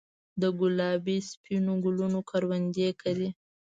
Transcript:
دګلابي ، سپینو ګلونو کروندې کرې